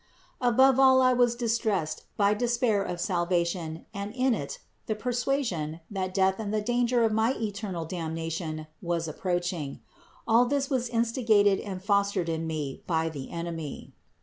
Above all was I distressed by despair of salvation and in it, the persuasion, that death and the danger of my eternal damnation was approach ing; all this was instigated and fostered in me by the enemy.